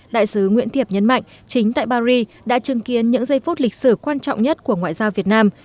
đại sứ nguyễn thiệp nhấn mạnh chính tại paris đã chứng kiến những giây phút lịch sử quan trọng nhất của ngoại giao việt nam